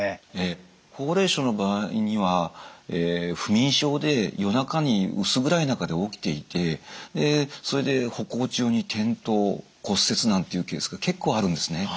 高齢者の場合には不眠症で夜中に薄暗い中で起きていてそれで歩行中に転倒骨折なんていうケースが結構あるんですね。